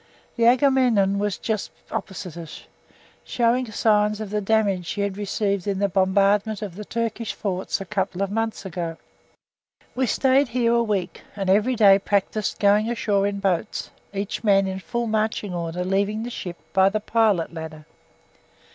The Agamemnon was just opposite us, showing signs of the damage she had received in the bombardment of the Turkish forts a couple of months before. We stayed here a week, and every day practised going ashore in boats, each man in full marching order leaving the ship by the pilot ladder.